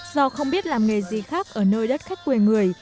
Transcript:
do không biết làm nghề gì khác ở nơi đất khách quê người